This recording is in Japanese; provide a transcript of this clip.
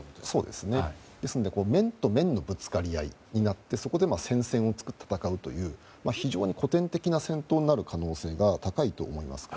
ですので面と面のぶつかり合いになってそこで戦線を作って戦うという非常に古典的な戦闘になる可能性が高いと思います。